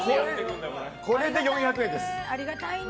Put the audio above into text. これで４００円です。